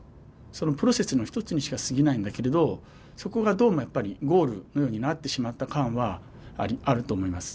そのプロセスの一つにしか過ぎないんだけれどそこが、どうもやっぱりゴールのようになってしまった感はあると思います。